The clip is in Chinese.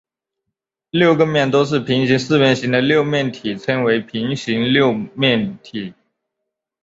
六个面都是平行四边形的六面体称为平行六面体。